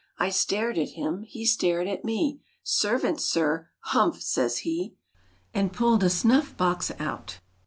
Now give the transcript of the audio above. I stared at him; he stared at me; ' Servant, Sir !'' Humph !' says he, And pull'd a snuff box out.